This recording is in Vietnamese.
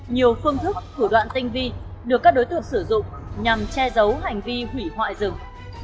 nhiều phương thức thủ đoạn tinh vi được các đối tượng sử dụng nhằm che giấu hành vi hủy hoại rừng